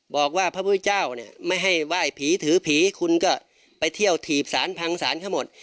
พระพุทธเจ้าเนี่ยไม่ให้ไหว้ผีถือผีคุณก็ไปเที่ยวถีบสารพังสารเขาหมด